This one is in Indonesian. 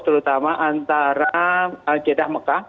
terutama antara jedah mekah